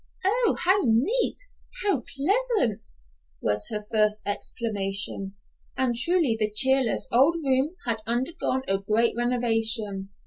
"Oh, how neat, how pleasant!" was her first exclamation, and truly the cheerless old room had undergone a great renovation.